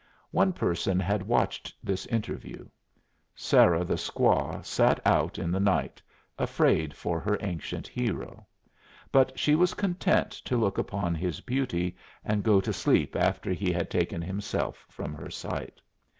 One person had watched this interview. Sarah the squaw sat out in the night, afraid for her ancient hero; but she was content to look upon his beauty, and go to sleep after he had taken himself from her sight.